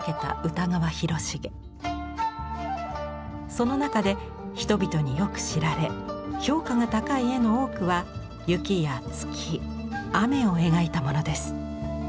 その中で人々によく知られ評価が高い絵の多くは雪や月雨を描いたものです。